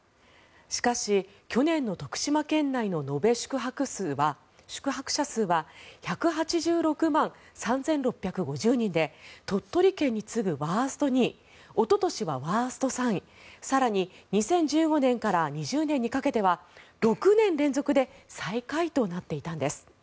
しかし、去年の徳島県内の延べ宿泊者数は１８６万３６５０人で鳥取県に次ぐワースト２位おととしはワースト３位更に２０１５年から２０年にかけては６年連続で最下位となっていたんです。